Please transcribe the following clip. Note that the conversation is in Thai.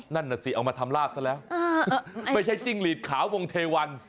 นั่นน่ะสิเอามาทำลาบซะแล้วไม่ใช่จิ้งหลีดขาววงเทวัน